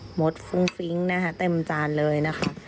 หมดฟุ้งฟิ้งนะคะเต็มจานเลยนะคะ